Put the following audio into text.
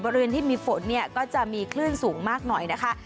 บริเวณที่มีฝนเนี่ยก็จะมีคลื่นสูงมากหน่อยนะคะ